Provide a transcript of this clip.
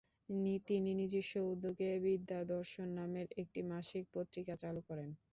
তিনি নিজস্ব উদ্যোগে বিদ্যাদর্শন নামের একটি মাসিক পত্রিকা চালু করেন।